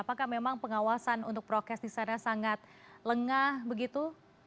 apakah memang pengawasan untuk prokes di sana sangat lengah begitu